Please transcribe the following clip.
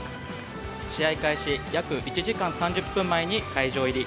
試合開始約１時間３０分前に会場入り。